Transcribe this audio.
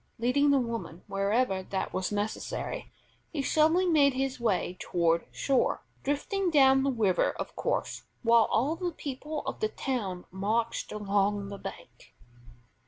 Leading the woman wherever that was necessary, he slowly made his way toward shore, drifting down the river, of course, while all the people of the town marched along the bank.